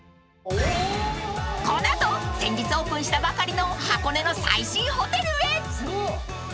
［この後先日オープンしたばかりの箱根の最新ホテルへ］